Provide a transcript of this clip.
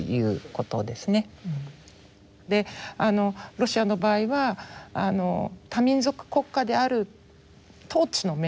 ロシアの場合は多民族国家である統治の面でですね